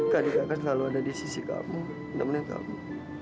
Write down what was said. kak dika akan selalu ada di sisi kamu nemenin kamu